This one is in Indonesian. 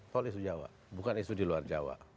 kalau isu jawa bukan isu di luar jawa